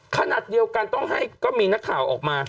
ขนาดเดียวกันต้องให้ก็มีนักข่าวออกมา